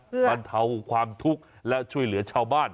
บรรเทาความทุกข์และช่วยเหลือชาวบ้าน